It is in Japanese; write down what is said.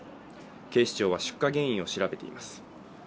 警視庁は出火原因を調べています